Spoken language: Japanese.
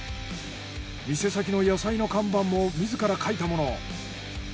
店先の野菜の看板も自ら描いたもの。